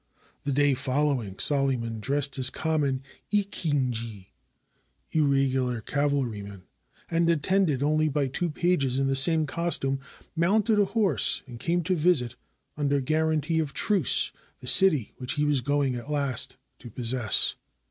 The day following, Solyman, dressed as a common akinji (ir regular cavalryman), and attended only by two pages in the same costume, mounted horse and came to visit, un der guaranty of truce, the city which he was going at last to possess.